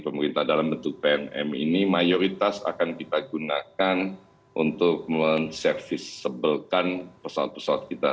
pemerintah dalam bentuk pnm ini mayoritas akan kita gunakan untuk me service able kan pesawat pesawat kita